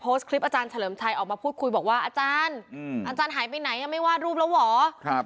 คลิปอาจารย์เฉลิมชัยออกมาพูดคุยบอกว่าอาจารย์อาจารย์หายไปไหนไม่วาดรูปแล้วเหรอ